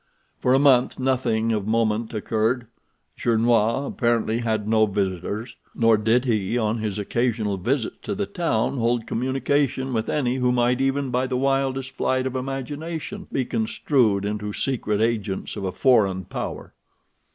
For a month nothing of moment occurred. Gernois apparently had no visitors, nor did he on his occasional visits to the town hold communication with any who might even by the wildest flight of imagination be construed into secret agents of a foreign power.